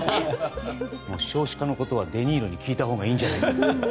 もう少子化のことはデ・ニーロに聞いたほうがいいんじゃないかと。